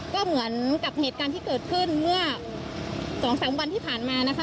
ก็เหมือนกับเหตุการณ์ที่เกิดขึ้นเมื่อ๒๓วันที่ผ่านมานะคะ